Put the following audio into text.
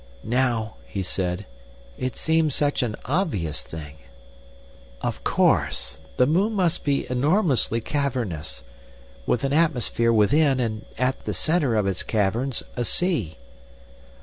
"Now," he said, "it seems such an obvious thing." "Of course! The moon must be enormously cavernous, with an atmosphere within, and at the centre of its caverns a sea.